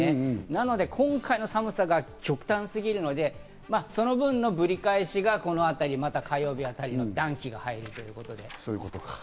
なので、今回の寒さが極端すぎるので、その分のぶり返しが火曜日あたり、暖気が入るということになります。